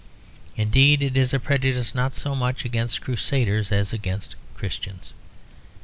Indeed it is a prejudice not so much against Crusaders as against Christians.